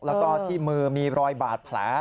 แล้วก็ที่มือมีรอยบาดแผล